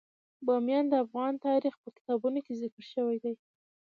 بامیان د افغان تاریخ په کتابونو کې ذکر شوی دي.